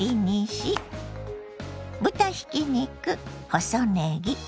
豚ひき肉細ねぎ